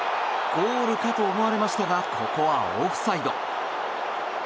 ゴールかと思われましたがここはオフサイド。